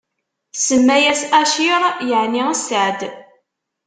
Tsemma-yas Acir, yeɛni sseɛd.